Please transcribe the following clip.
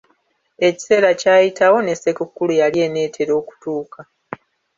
Ekiseera kyayitawo, ne ssekukkulu yali eneetera okutuuka.